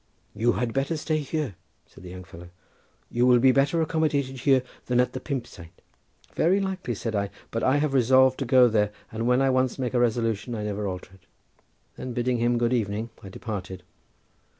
"You had better stay here," said the young fellow. "You will be better accommodated here than at the 'Pump Saint.'" "Very likely," said I; "but I have resolved to go there, and when I once make a resolution I never alter it." Then bidding him good evening I departed.